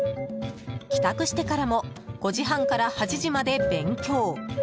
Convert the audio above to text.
帰宅してからも５時半から８時まで勉強。